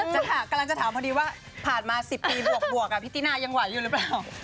กำลังจะถามพอดีว่าผ่านมา๑๐ปีบวกพี่ตินายังไหวอยู่หรือเปล่า